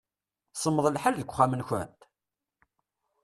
Semmeḍ lḥal deg uxxam-nkent?